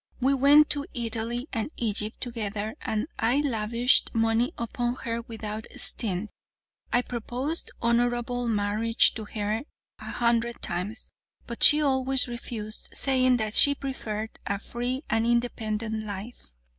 We went to Italy and Egypt together and I lavished money upon her without stint. I proposed honorable marriage to her a hundred times, but she always refused, saying that she preferred a free and independent life.